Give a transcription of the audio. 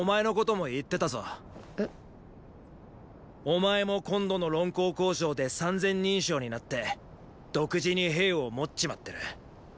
お前も今度の論功行賞で三千人将になって独自に兵を持っちまってる。